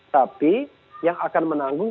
tapi yang akan menanggung